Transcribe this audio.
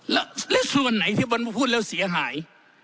แล้วส่วนไหนที่บนพูดแล้วเสียหาย